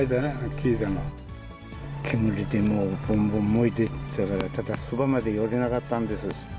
煙でもう、ぼんぼん燃えてたから、ただ、そばまで寄れなかったんです。